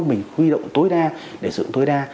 mình huy động tối đa để dựng tối đa